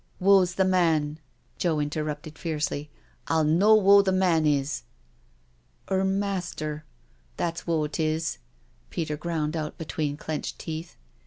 .•.*' ••W'o's the man?" Joe interrupted fiercely; '* 111 know w*o the man is.*' •• 'Er master— that's w'o it is," Peter ground out between clenched teeth.